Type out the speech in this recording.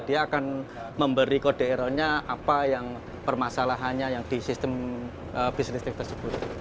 dia akan memberi kode errornya apa yang permasalahannya yang di sistem bisnis tersebut